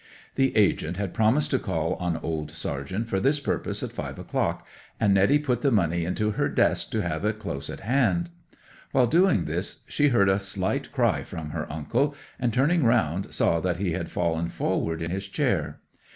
'The agent had promised to call on old Sargent for this purpose at five o'clock, and Netty put the money into her desk to have it close at hand. While doing this she heard a slight cry from her uncle, and turning round, saw that he had fallen forward in his chair.